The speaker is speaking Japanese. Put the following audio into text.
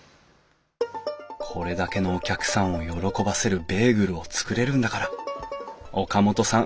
これだけのお客さんを喜ばせるベーグルを作れるんだから岡本さん